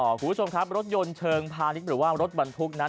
คุณผู้ชมครับรถยนต์เชิงพาณิชย์หรือว่ารถบรรทุกนั้น